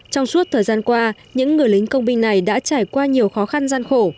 trong suốt thời gian qua những người lính công binh này đã trải qua nhiều khó khăn gian khổ